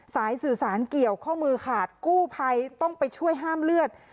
สายสื่อสารเกี่ยวข้อมือขาดกู้ภัยต้องไปช่วยห้ามเลือด